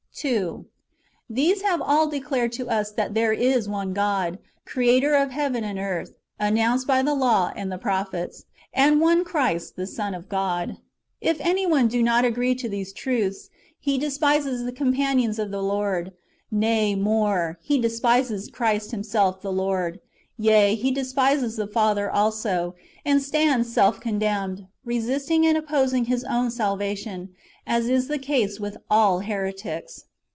2. These have all declared to us that there is one God, Creator of heaven and earth, announced by the law and the prophets ; and one Christ, the Son of God. If any one do not agree to these truths, he despises the companions of the Lord ; nay more, he despises Christ Himself the Lord ; yea, he despises the Father also, and stands self condemned, re sisting and opposing his own salvation, as is the case with all heretics.